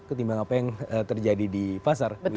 ketimbang apa yang terjadi di pasar